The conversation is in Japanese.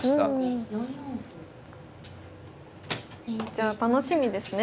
じゃあ楽しみですね